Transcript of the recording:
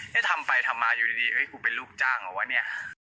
เนี่ยทำไปทำมาอยู่ดีเอ้ยผมเป็นลูกจ้างเหรอวะเนี่ย